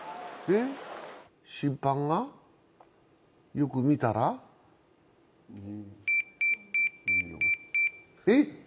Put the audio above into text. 審判がよく見たらえ？